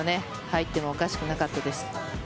入ってもおかしくなかったです。